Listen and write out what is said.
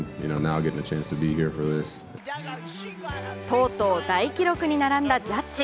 とうとう大記録に並んだジャッジ。